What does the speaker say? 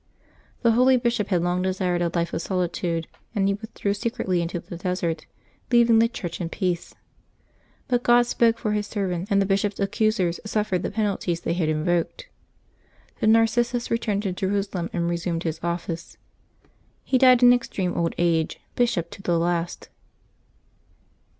The holy bishop had long desired a life of solitude, and he withdrew secretly into the desert, leaving the Church in peace. But God spoke for His servant, and the bishop's accusers suffered the penalties they had invoked. Then Narcissus returned to Jerusalem and resumed his office. He died in extreme old age, bishop to the last.